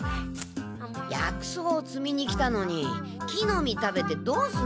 薬草をつみに来たのに木の実食べてどうすんだよ！